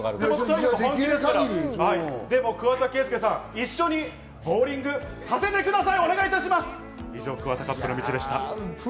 桑田佳祐さん、一緒にボウリングさせてください！